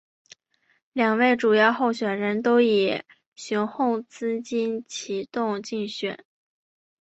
两位主要候选人都以雄厚资金启动竞选。